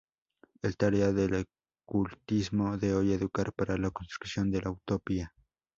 Es tarea del Escultismo de hoy educar para la construcción de la utopía.